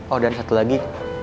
oh dan satu lagi